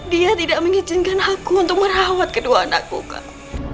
dia tidak mengizinkan aku untuk merawat kedua anakku kak